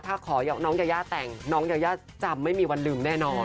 ถ้าขอน้องยายาแต่งน้องยายาจำไม่มีวันลืมแน่นอน